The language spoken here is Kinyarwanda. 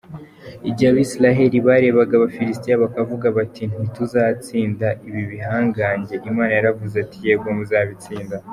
Igihe Abisirayeli barebaga abafilisitiya bakavuga bati ntituzatsinda ibi bihangange, Imana yaravuze iti"Yego muzabatsinda.